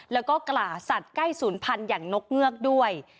แล้วก็กล่าสัตว์ใกล้ศูนย์พันธุ์อย่างนกเงือกด้วย